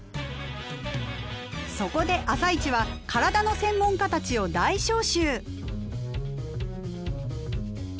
そこで「あさイチ」は体の専門家たちを大招集！